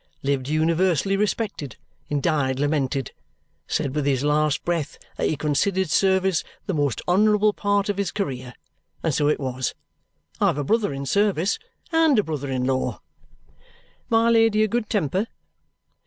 Lived universally respected, and died lamented. Said with his last breath that he considered service the most honourable part of his career, and so it was. I've a brother in service, AND a brother in law. My Lady a good temper?"